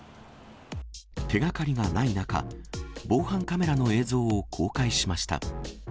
手がかりがない中、防犯カメラの映像を公開しました。